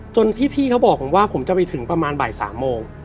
จนพี่เขาบอกผมว่าผมจะไปถึงประมาณบ่าย๓โมง